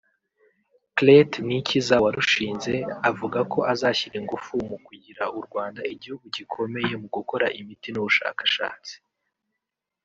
Clet Niyikiza warushinze avuga ko azashyira ingufu mu kugira u Rwanda igihugu gikomeye mu gukora imiti n’ubushakashatsi